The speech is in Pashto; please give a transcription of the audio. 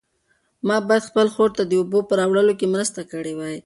ما باید خپلې خور ته د اوبو په راوړلو کې مرسته کړې وای.